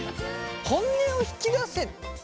本音を引き出せた？